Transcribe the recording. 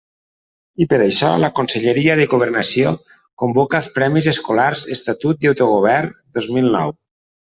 I, per això, la Conselleria de Governació convoca els premis escolars Estatut i Autogovern dos mil nou.